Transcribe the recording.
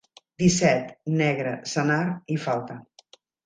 Disset, negre, senar i falta.